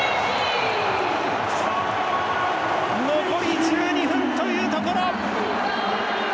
残り１２分というところ。